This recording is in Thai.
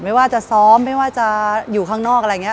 ไม่ว่าจะซ้อมไม่ว่าจะอยู่ข้างนอกอะไรอย่างนี้